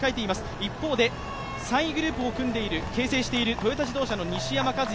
一方で、３位グループを形成しているトヨタ自動車の西山和弥。